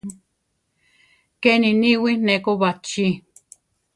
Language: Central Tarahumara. Keni niwí neko bachí.